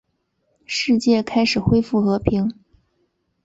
世界开始恢复和平。